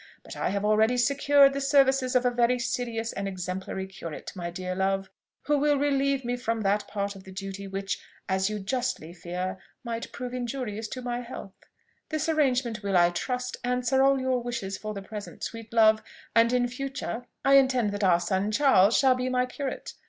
But I have already secured the services of a very serious and exemplary curate, my dear love, who will relieve me from that part of the duty which, as you justly fear, might prove injurious to my health. This arrangement will, I trust, answer all your wishes for the present, sweet love; and in future I intend that our son Charles shall be my curate.